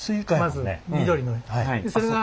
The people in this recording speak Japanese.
まず緑の色。